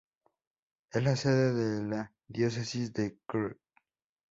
Es la sede de la Diócesis de Krk.